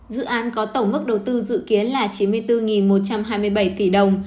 dự án có tổng mức đầu tư dự kiến là chín mươi bốn một trăm hai mươi bảy tỷ đồng